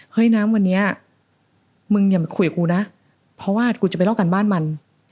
น้ำวันนี้มึงอย่ามาคุยกับกูนะเพราะว่ากูจะไปเล่ากันบ้านมัน